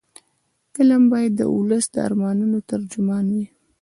فلم باید د ولس د ارمانونو ترجمان وي